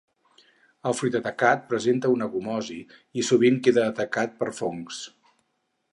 El fruit atacat presenta una gomosi i sovint queda atacat per fongs.